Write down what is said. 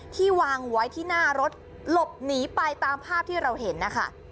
วางไว้ที่หน้ารถหลบหนีไปตามภาพที่เราเห็นนะคะ